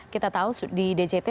kita tahu di dct